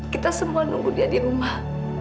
kita semua nunggu dia di rumah